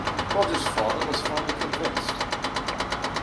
Rogers' father was finally convinced.